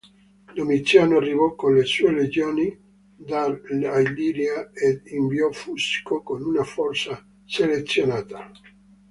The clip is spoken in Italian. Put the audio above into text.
Domiziano arrivò con le sue legioni dall'Illiria, ed inviò Fusco con una forza selezionata.